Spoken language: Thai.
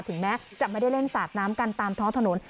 ถึงแม้จะไม่ได้เล่นสาดน้ำกันตามท้องถนน